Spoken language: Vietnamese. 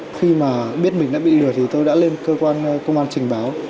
khi mà biết mình đã bị lừa thì tôi đã lên cơ quan công an trình báo